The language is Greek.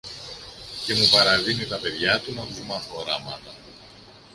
και μου παραδίνει τα παιδιά του να τους μάθω γράμματα.